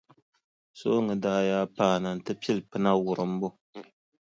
Sooŋa daa yaa paana nti pili pina wurimbu.